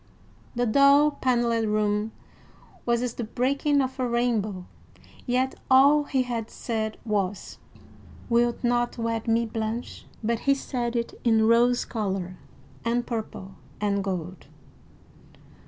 The dull paneled room was as the breaking of a rainbow; yet all he had said was, "Wilt not wed me, Blanche?" But he said it in rose color and purple and gold.